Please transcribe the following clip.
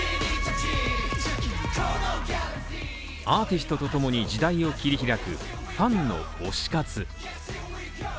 アーティストと共に時代を切り開くファンの推し活。